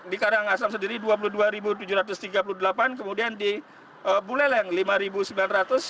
di karangasem sendiri rp dua puluh dua tujuh ratus tiga puluh delapan kemudian di buleleng rp lima sembilan ratus